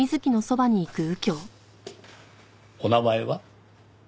お名前は？